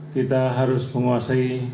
kita harus menguasai